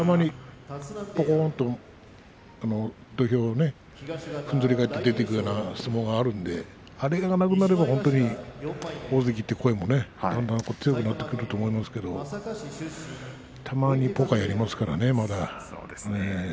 ぽこんと土俵をふんぞり返って出ていく相撲があるのであれがなくなれば大関という声もだんだん強くなってくるんじゃないかと思いますけれどたまにポカをやりますね、まだ。